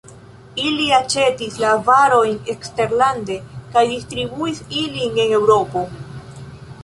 Ili aĉetis la varojn eksterlande kaj distribuis ilin en Eŭropo.